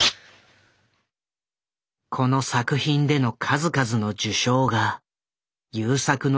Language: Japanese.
この作品での数々の受賞が優作の評価を高めた。